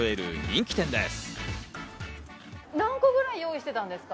人気店です。